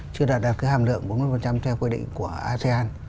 chưa đạt được cái hàm lượng bốn mươi theo quy định của asean